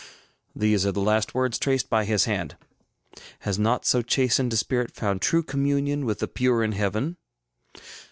ŌĆØ These are the last words traced by his hand. Has not so chastened a spirit found true communion with the pure in Heaven?